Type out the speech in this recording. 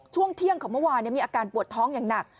ช่วงเที่ยงของเมื่อวานมีอาการปวดท้องอย่างหนัก